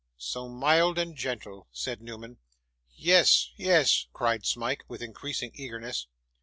'So mild and gentle,' said Newman. 'Yes, yes!' cried Smike, with increasing eagerness.